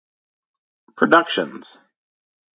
Productions.